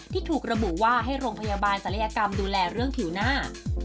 ที่ถูกระบุว่าให้โรงพยาบาลศัลยกรรมดูแลเรื่องผิวหน้า